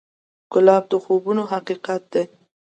ګلاب د خوبونو حقیقت دی.